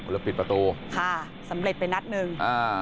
แล้วปิดประตูค่ะสำเร็จไปนัดหนึ่งอ่า